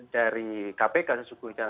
dari kpk sesungguhnya